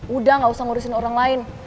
udah gak usah ngurusin orang lain